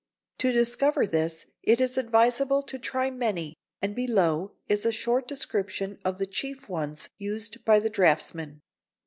To discover this, it is advisable to try many, and below is a short description of the chief ones used by the draughtsman.